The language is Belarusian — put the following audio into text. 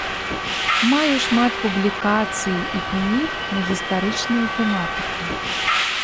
Маю шмат публікацый і кніг на гістарычную тэматыку.